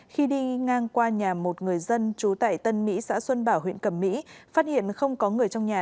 khi đi ngang qua nhà một người dân trú tại tân mỹ xã xuân bảo huyện cẩm mỹ phát hiện không có người trong nhà